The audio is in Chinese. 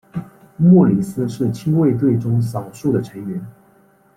莫里斯是亲卫队中少数的成员。